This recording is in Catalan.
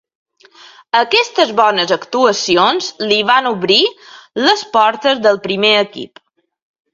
Aquestes bones actuacions li van obrir les portes del primer equip.